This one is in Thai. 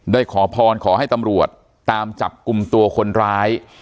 ขอพรขอให้ตำรวจตามจับกลุ่มตัวคนร้าย